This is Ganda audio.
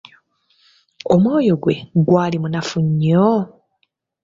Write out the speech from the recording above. Omwoyo gwe gwali munafu nnyo.